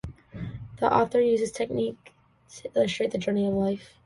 The author uses this technique to illustrate the journey of life.